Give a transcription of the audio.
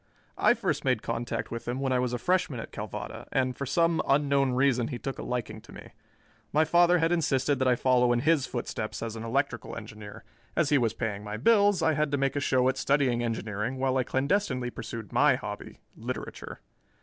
I first made contact with him when I was a freshman at Calvada, and for some unknown reason he took a liking to me. My father had insisted that I follow in his footsteps as an electrical engineer; as he was paying my bills, I had to make a show at studying engineering while I clandestinely pursued my hobby, literature.